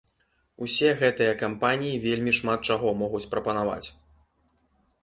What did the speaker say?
Усе гэтыя кампаніі вельмі шмат чаго могуць прапанаваць.